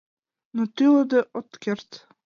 — Но тӱлыде от керт.